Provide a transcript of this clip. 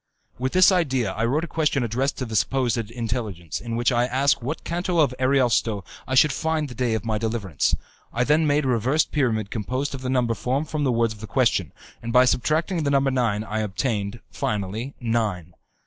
With this idea I wrote a question addressed to the supposed Intelligence, in which I ask in what canto of Ariosto I should find the day of my deliverance. I then made a reversed pyramid composed of the number formed from the words of the question, and by subtracting the number nine I obtained, finally, nine.